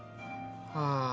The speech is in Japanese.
ああ